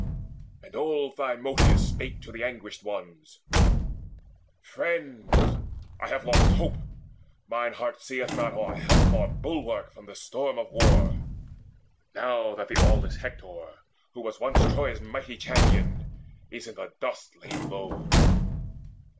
And old Thymoetes spake to the anguished ones: "Friends, I have lost hope: mine heart seeth not Or help, or bulwark from the storm of war, Now that the aweless Hector, who was once Troy's mighty champion, is in dust laid low.